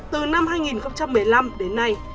từ năm hai nghìn một mươi năm đến nay